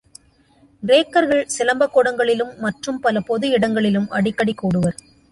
கிரேக்கர்கள் சிலம்பக் கூடங்களிலும், மற்றும் பல பொது இடங்களிலும் அடிக்கடி கூடுவர்.